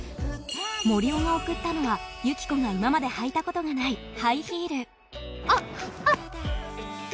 森生が贈ったのはユキコが今まで履いたことがないハイヒールあっ！